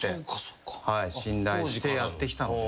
信頼してやってきたので。